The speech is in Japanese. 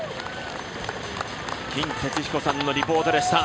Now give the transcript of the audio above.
金哲彦さんのリポートでした。